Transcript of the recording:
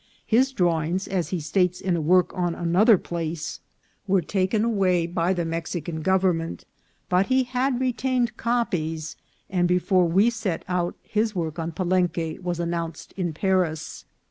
His drawings, as he states in a work on an other place, were taken away by the Mexican govern ment ; but he had retained copies, and before we set out his work on Palenque was announced in Paris.